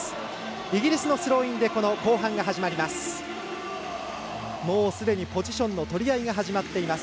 イギリスのスローインで始まります。